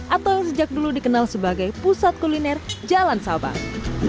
atau sejak dulu dikenal sebagai pusat kuliner jalan sabang